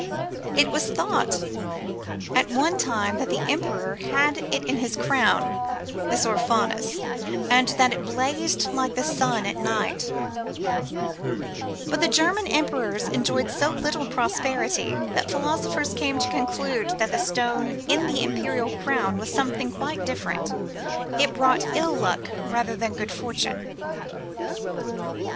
It was thought at one time that the Emperor had it in his crown, this Orphanus, and that it blazed like the sun at night ; but the German 281 Curiosities of Olden Times emperors enjoyed so little prosperity that philosophers came to the conclusion that the stone in the imperial crown was something quite different ; it brought ill luck rather than good fortune.